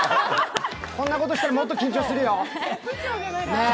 こんなことしたら、もっと緊張するよ、ねぇ。